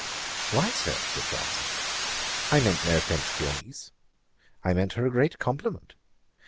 'Why, Sir, (said Johnson) I meant no offence to your niece, I meant her a great compliment.